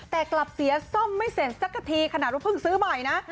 แต่กลับเสียซ่อมไม่เสร็จสักทีขนาดว่าเพิ่งซื้อใหม่นะ